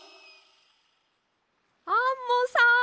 アンモさん。